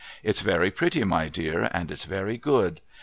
It's very pretty, my dear, and it's very good.